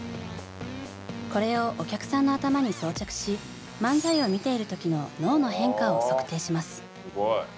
これをお客さんの頭に装着し漫才を見ている時の脳の変化を測定します。